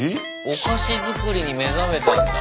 お菓子作りに目覚めたんだ。